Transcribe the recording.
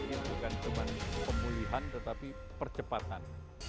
ini bukan cuma pemulihan tetapi percepatan